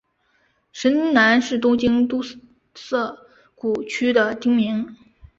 神南是东京都涩谷区的町名。